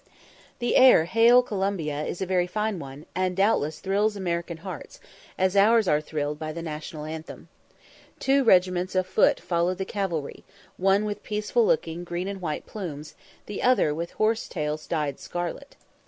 The air 'Hail Columbia' is a very fine one, and doubtless thrills American hearts, as ours are thrilled by the National Anthem. Two regiments of foot followed the cavalry, one with peaceful looking green and white plumes, the other with horsetails dyed scarlet.